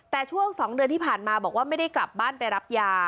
แต่ช่วง๒เดือนที่ผ่านมาบอกว่าไม่ได้กลับบ้านไปรับยา